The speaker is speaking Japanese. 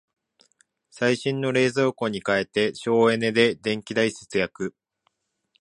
最新の冷蔵庫に替えて省エネで電気代節約